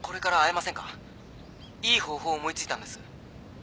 いい方法を思い付いたんです。